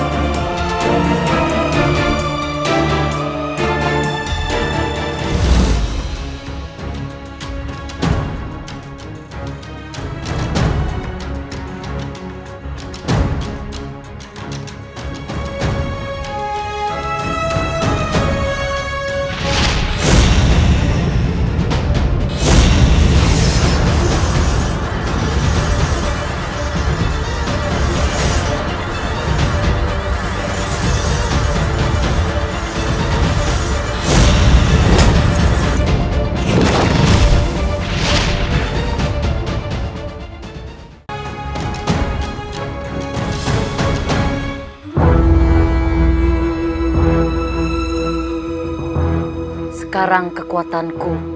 raihkan tempat yang aman